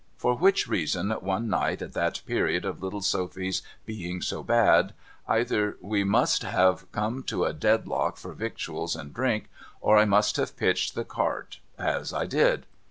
For which reason, one night at that period of little Sophy's being so bad, either we must have come to a dead lock for victuals and drink, or I must have pitched the cart as I did.